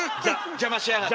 邪魔しやがって。